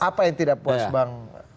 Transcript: apa yang tidak puas bang